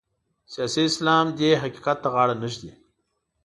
سیاسي اسلام دې حقیقت ته غاړه نه ږدي.